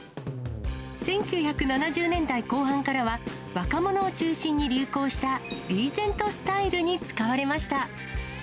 １９７０年代後半からは、若者を中心に流行したリーゼントスタイルに使われました。